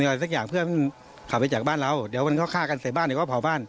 อะไรสักอย่างเพื่อมันขับไปจากบ้านเราเดี๋ยวมันก็ฆ่ากันใส่บ้านเดี๋ยวก็เผาบ้าน